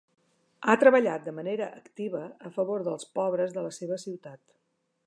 Ha treballat de manera activa a favor dels pobres de la seva ciutat.